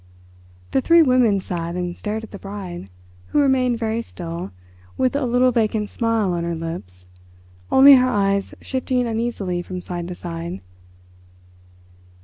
The three women sat and stared at the bride, who remained very still, with a little vacant smile on her lips, only her eyes shifting uneasily from side to side.